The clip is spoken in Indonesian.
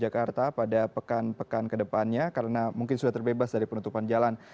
jakarta pada pekan pekan kedepannya karena mungkin sudah terbebas dari penutupan jalan